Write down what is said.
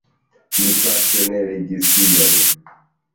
Mi fakte ne legis tion.